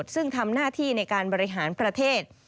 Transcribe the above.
ซึ่งทำหน้าที่ในการบริหารประเทศ